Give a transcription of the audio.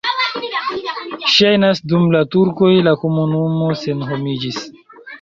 Ŝajnas, dum la turkoj la komunumo senhomiĝis.